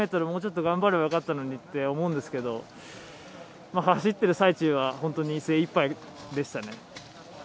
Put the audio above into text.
もうちょっと頑張ればよかったのにと思うんですが走っている最中は精いっぱいでしたね。